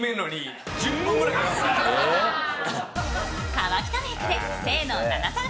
河北メイクで清野菜名さん